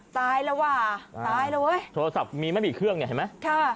ตายแล้วว่ะตายแล้วเว้ยโทรศัพท์มีไม่มีเครื่องเนี่ยเห็นไหมค่ะ